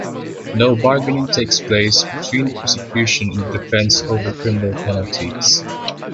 No bargaining takes place between the prosecution and the defence over criminal penalties.